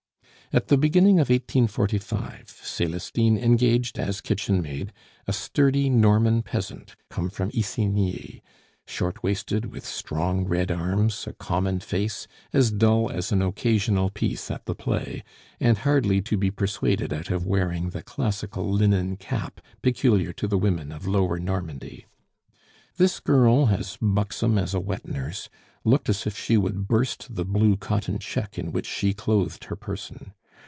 At the beginning of 1845 Celestine engaged as kitchen maid a sturdy Normandy peasant come from Isigny short waisted, with strong red arms, a common face, as dull as an "occasional piece" at the play, and hardly to be persuaded out of wearing the classical linen cap peculiar to the women of Lower Normandy. This girl, as buxom as a wet nurse, looked as if she would burst the blue cotton check in which she clothed her person.